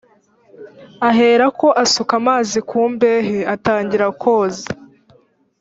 aherako asuka amazi ku mbehe atangira koza